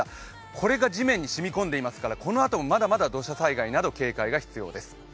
これが地面に染み込んでいますからこのあともまだまだ土砂災害などに警戒が必要です。